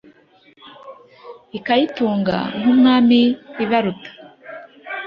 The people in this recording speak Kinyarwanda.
Ikayitunga nk'Umwami ubaruta